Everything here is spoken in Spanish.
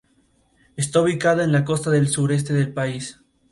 Está ubicada en la costa del sureste del país.